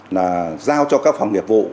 là giao cho các phòng nghiệp vụ